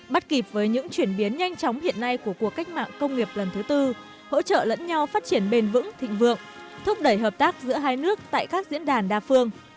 bắt kịp với những chuyển biến nhanh chóng hiện nay của cuộc cách mạng công nghiệp lần thứ tư hỗ trợ lẫn nhau phát triển bền vững thịnh vượng thúc đẩy hợp tác giữa hai nước tại các diễn đàn đa phương